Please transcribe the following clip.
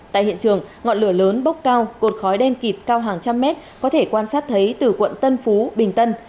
tại hiện trường ngọn lửa lớn bốc cao cột khói đen kịp cao hàng trăm mét có thể quan sát thấy từ quận tân phú bình tân